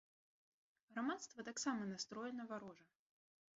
Грамадства таксама настроена варожа.